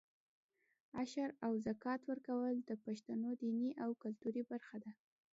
عشر او زکات ورکول د پښتنو دیني او کلتوري برخه ده.